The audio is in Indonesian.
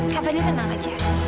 kak fadil tenang aja